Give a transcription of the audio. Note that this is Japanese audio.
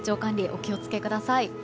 お気を付けください。